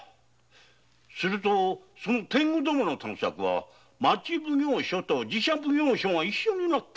すると探索は町奉行所と寺社奉行所が一緒になって？